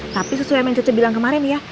tapi sesuai yang cece bilang kemarin ya